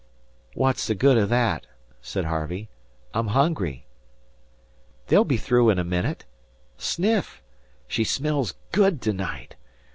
"What's the good of that?" said Harvey. "I'm hungry." "They'll be through in a minute. Suff! She smells good to night.